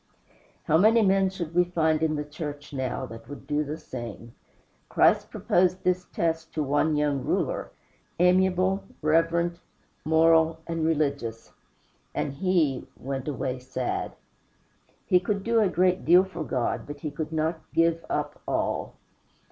How many men should we find in the church now that would do the same? Christ proposed this test to one young ruler, amiable, reverent, moral, and religious, and he "went away sad." He could do a great deal for God, but he could not give up ALL.